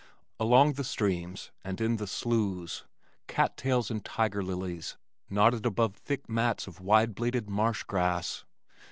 Along the streams and in the "sloos" cat tails and tiger lilies nodded above thick mats of wide bladed marsh grass.